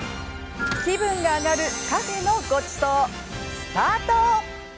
気分が上がるカフェのごちそう」スタート。